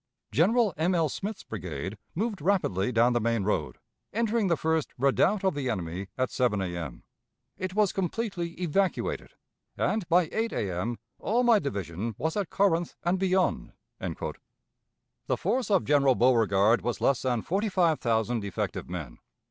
General M. L. Smith's brigade moved rapidly down the main road, entering the first redoubt of the enemy at 7 A.M. It was completely evacuated, and by 8 A.M. all my division was at Corinth and beyond." The force of General Beauregard was less than forty five thousand effective men.